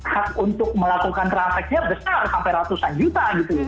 hak untuk melakukan traffic nya besar sampai ratusan juta